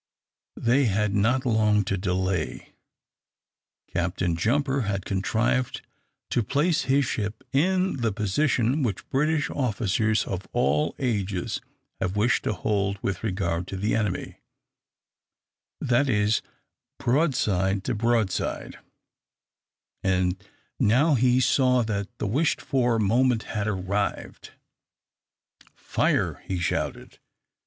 They had not long to delay. Captain Jumper had contrived to place his ship in the position which British officers of all ages have wished to hold with regard to the enemy that is, broadside to broadside; and now he saw that the wished for moment had arrived. "Fire!" he shouted.